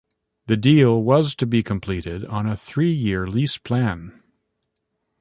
The deal was to be completed on a three-year lease plan.